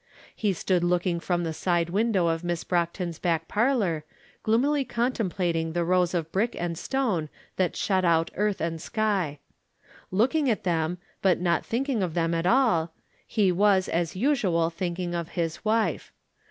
He stood looking from the side window of Miss Brockton's From Different Standpoints. 281 back parlor, gloomily contemplating the rows of brick and stone that shut out earth and sky. Looking at them, but not thinking of them at all, he was, as usual, thinking of his wife.